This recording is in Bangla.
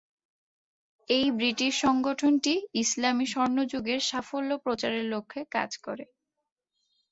এই ব্রিটিশ সংগঠনটি ইসলামি স্বর্ণযুগের সাফল্য প্রচারের লক্ষ্যে কাজ করে।